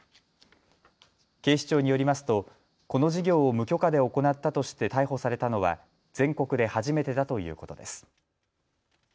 警視庁によりますとこの事業を無許可で行ったとして逮捕されたのは全国で初めてだということです。